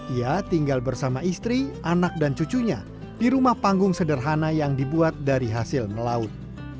ia tinggal bersama istri anak dan cucunya di rumah panggung sederhana yang dibuat dari hasil melaut